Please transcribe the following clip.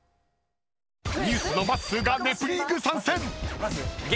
ＮＥＷＳのまっすーが「ネプリーグ」参戦。